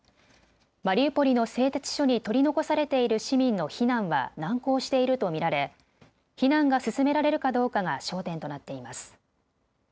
マリウポリの製鉄所に取り残されている市民の避難は難航していると見られ避難が進められるかどうかが焦点となっています。